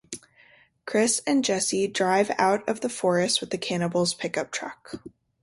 Chris and Jessie drive out of the forest with the cannibals' pickup truck.